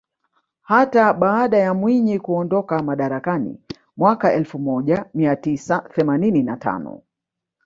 Hata baada ya Mwinyi kuondoka madarakani mwaka elfu moja mia tisa themanini na tano